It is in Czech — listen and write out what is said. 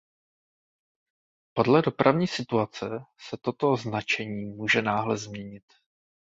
Podle dopravní situace se toto značení může náhle změnit.